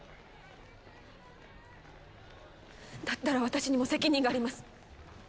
だったら私にも責任があります。